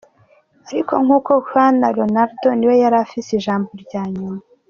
Ariko nk'uko vyama, Ronaldo ni we yari afise ijambo rya nyuma.